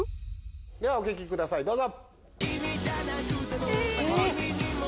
ではお聴きくださいどうぞ。